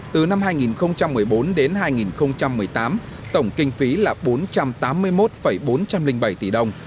từ năm hai nghìn một mươi bốn đến hai nghìn một mươi tám tổng kinh phí là bốn trăm tám mươi một bốn trăm linh bảy tỷ đồng